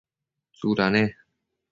tsuda ne?